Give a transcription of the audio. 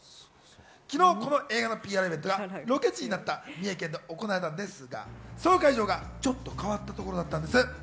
昨日、この映画のＰＲイベントがロケ地になった三重県で行われたんですが、その会場がちょっと変わったところだったんです。